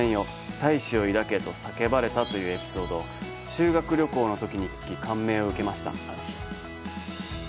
大志を抱け」と叫ばれたというエピソードを、修学旅行の時に聞き、感銘を受けました。